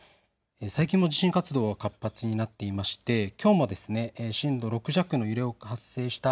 最近も地震活動は活発になっていましてきょうも震度６弱の揺れが発生した